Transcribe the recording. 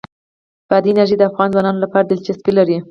بادي انرژي د افغان ځوانانو لپاره دلچسپي لري.